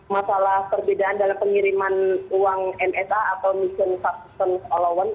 masalah perbedaan dalam pengiriman uang msa atau mission substance allowance